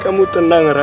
opa jadi di dalam negara